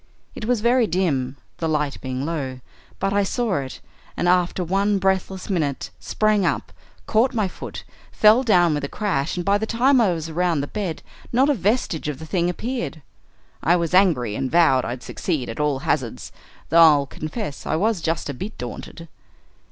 It was very dim, the light being low, but I saw it, and after one breathless minute sprang up, caught my foot, fell down with a crash, and by the time I was around the bed, not a vestige of the thing appeared. I was angry, and vowed I'd succeed at all hazards, though I'll confess I was just a bit daunted.